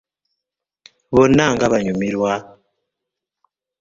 Bonna nga banyumirwa!